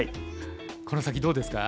この先どうですか？